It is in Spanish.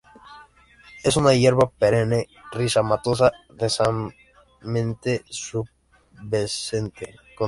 Es una hierba perenne rizomatosa densamente pubescente, con tallos y follaje.